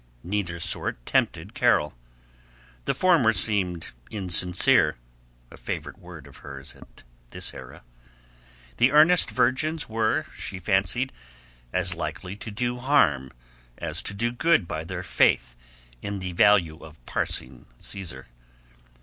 Neither sort tempted Carol. The former seemed insincere (a favorite word of hers at this era). The earnest virgins were, she fancied, as likely to do harm as to do good by their faith in the value of parsing Caesar.